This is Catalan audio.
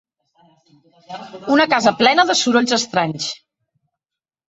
Una casa plena de sorolls estranys.